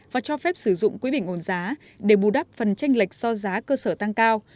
và cho phép sử dụng quỹ bình ổn giá để bù đắp phần tranh lệch do giá cơ sở tăng cao